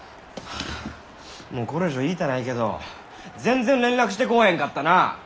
もうこれ以上言いたないけど全然連絡してこうへんかったな。